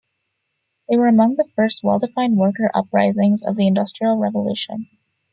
They were among the first well-defined worker uprisings of the Industrial Revolution.